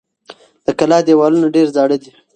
د کلا دېوالونه ډېر زاړه دي.